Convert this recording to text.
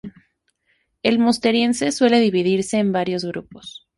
El Musteriense suele dividirse en varios grupos.